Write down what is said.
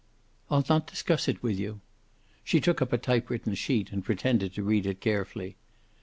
"I'll not discuss it with you." She took up a typewritten sheet and pretended to read it carefully.